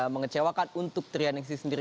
mengecewakan untuk trianing si sendiri